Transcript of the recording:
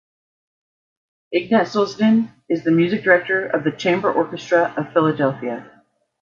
Ignat Solzhenitsyn is the music director of The Chamber Orchestra of Philadelphia.